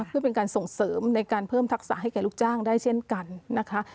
เพื่อเป็นการส่งเสริมในการเพิ่มทักษะให้แก่ลูกจ้างได้เช่นกันนะคะ